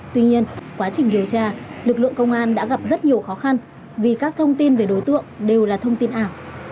tuy nhiên quá trình điều tra lực lượng công an đã gặp rất nhiều khó khăn vì các thông tin về đối tượng đều là thông tin ảo